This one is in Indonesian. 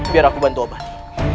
biar aku bantu abadi